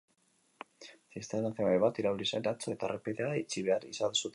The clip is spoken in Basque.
Zisterna-kamioi bat irauli zen atzo eta errepidea itxi behar izan zuten.